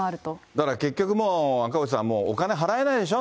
だから結局もう、赤星さん、お金払えないでしょ？